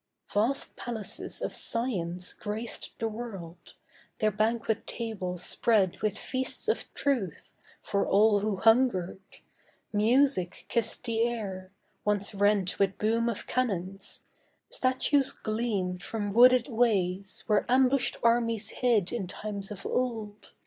Vast palaces of Science graced the world; Their banquet tables spread with feasts of truth For all who hungered. Music kissed the air, Once rent with boom of cannons. Statues gleamed From wooded ways, where ambushed armies hid In times of old.